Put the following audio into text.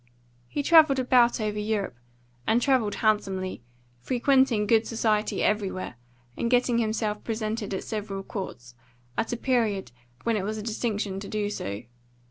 He travelled about over Europe, and travelled handsomely, frequenting good society everywhere, and getting himself presented at several courts, at a period when it was a distinction to do so.